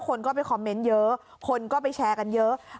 คนก็ไปคอมเมนต์เยอะคนก็ไปแชร์กันเยอะ